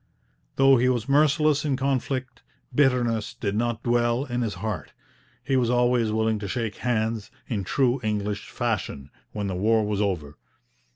Though he was merciless in conflict, bitterness did not dwell in his heart. He was always willing to shake hands, in true English fashion, when the war was over.